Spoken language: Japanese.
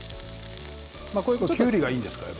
きゅうりがいいんですか？